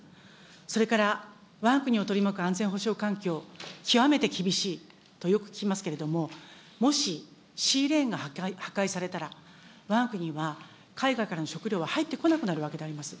それからわが国を取り巻く安全保障環境、極めて厳しいとよく聞きますけれども、もしシーレーンが破壊されたら、わが国は海外からの食料は入ってこなくなるわけであります。